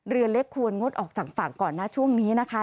เรือเล็กควรงดออกจากฝั่งก่อนนะช่วงนี้นะคะ